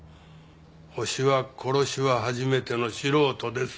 ホシは殺しは初めての素人です。